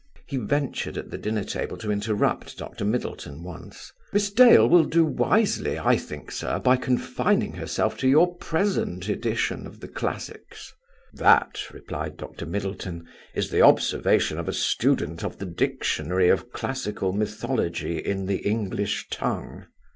He ventured at the dinner table to interrupt Dr. Middleton once: "Miss Dale will do wisely, I think, sir, by confining herself to your present edition of the classics." "That," replied Dr. Middleton, "is the observation of a student of the dictionary of classical mythology in the English tongue."